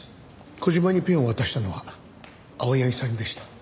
小島にペンを渡したのは青柳さんでした。